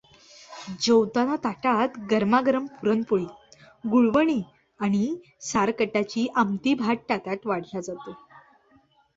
जेवताना ताटातगरमागरम पुरण पोळी गुळवणीआणि सार कटाची आमटी भात ताटात वाढले जाते.